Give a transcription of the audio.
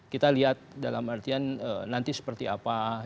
kita lihat dalam artian nanti seperti apa